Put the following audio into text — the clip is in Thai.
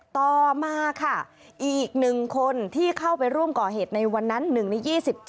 ต่อมาค่ะอีก๑คนที่เข้าไปร่วมก่อเหตุในวันนั้น๑ใน๒๗